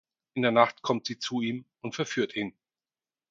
In der Nacht kommt sie zu ihm und verführt ihn.